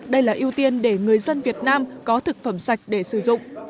đây là ưu tiên để người dân việt nam có thực phẩm sạch để sử dụng